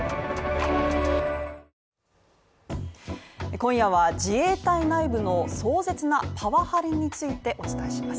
今夜は自衛隊内部の壮絶なパワハラについてお伝えします。